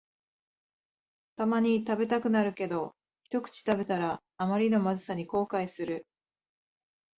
たまに食べたくなるけど、ひとくち食べたらあまりのまずさに後悔する